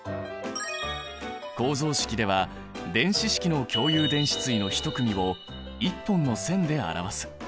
構造式では電子式の共有電子対の１組を１本の線で表す。